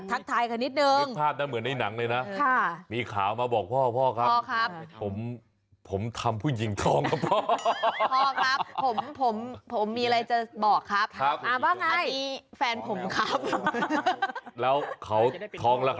พาใครมาพาผู้สาวมาเหรอ